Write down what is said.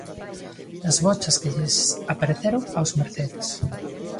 Das bochas que lles apareceron aos Mercedes.